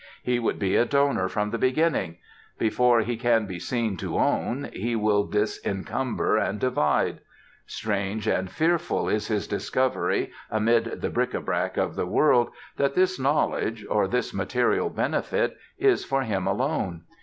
He would be a donor from the beginning; before he can be seen to own, he will disencumber, and divide. Strange and fearful is his discovery, amid the bric a brac of the world, that this knowledge, or this material benefit, is for him alone.